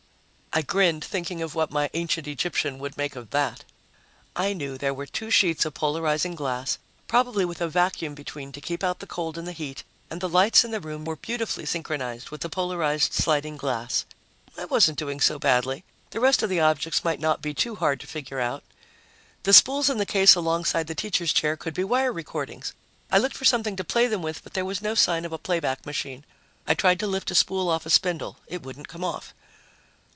I grinned, thinking of what my ancient Egyptian would make of that. I knew there were two sheets of polarizing glass, probably with a vacuum between to keep out the cold and the heat, and the lights in the room were beautifully synchronized with the polarized sliding glass. I wasn't doing so badly. The rest of the objects might not be too hard to figure out. The spools in the case alongside the teacher's chair could be wire recordings. I looked for something to play them with, but there was no sign of a playback machine. I tried to lift a spool off a spindle. It wouldn't come off.